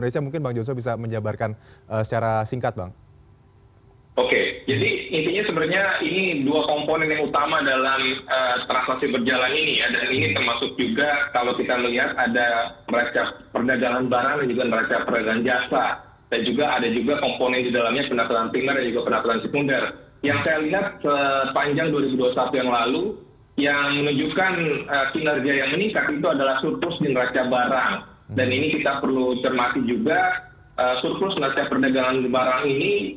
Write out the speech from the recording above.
sepanjang minggu lalu itu juga ini